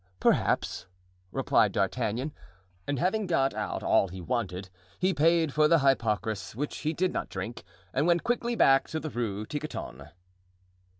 "Perhaps," replied D'Artagnan. And having got out all he wanted, he paid for the hypocras, which he did not drink, and went quickly back to the Rue Tiquetonne.